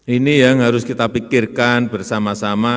ini yang harus kita pikirkan bersama sama